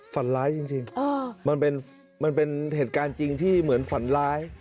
ฝันร้ายจริงมันเป็นเหตุการณ์จริงที่เหมือนฝันร้าย